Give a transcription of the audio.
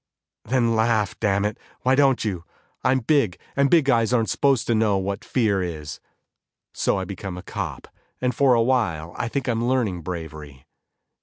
"Then laugh, damn it, why don't you? I'm big, and big guys aren't supposed to know what fear is. So I become a cop, and for a while I think I'm learning bravery."